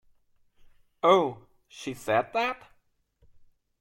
Oh, she said that?